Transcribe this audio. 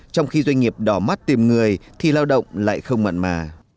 trong khi doanh nghiệp đỏ mắt tìm người thì lao động lại không mặn mà